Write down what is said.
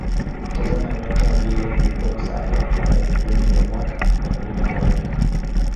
Kutazama nyota vile kulikuwa msaada wa kupanga vipindi vya mwaka na kuunda kalenda.